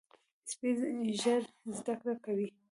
سپي ژر زده کړه کوي.